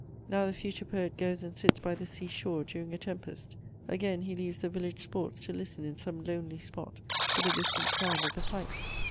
Now the future poet goes and sits by the sea shore during a tempest; again he leaves the village sports to listen in some lonely spot to the distant sound of the pipes.